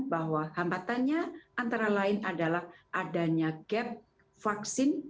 bahwa hambatannya antara lain adalah adanya gap vaksin